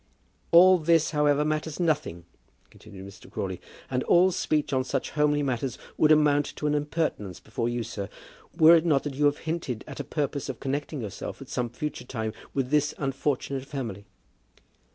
"All this, however, matters nothing," continued Mr. Crawley, "and all speech on such homely matters would amount to an impertinence before you, sir, were it not that you have hinted at a purpose of connecting yourself at some future time with this unfortunate family."